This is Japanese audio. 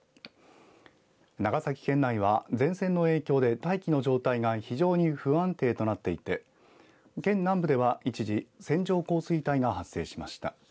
長崎県内は、前線の影響で大気の状態が非常に不安定となっていて県南部では一時線状降水帯が発生しました。